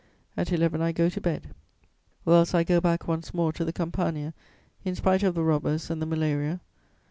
At eleven, I go to bed, or else I go back once more to the campagna, in spite of the robbers and the _malaria.